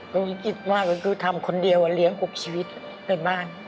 ลุงคิดว่าก็คือทำคนเดียวเลี้ยงกลุ่มชีวิตในบ้าน